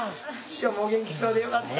師匠もお元気そうでよかった。